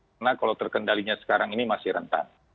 karena kalau terkendalinya sekarang ini masih rentan